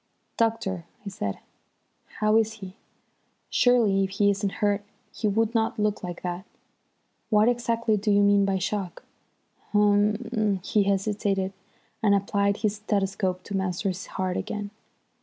"Doctor," I said, "how is he? Surely, if he isn't hurt he would not look like that. What exactly do you mean by shock?" "Hum er," he hesitated, and applied his stethoscope to Masters' heart again.